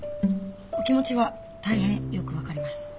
お気持ちは大変よく分かりますはい。